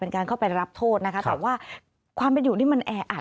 การเข้าไปรับโทษนะคะแต่ว่าความเป็นอยู่นี่มันแออัด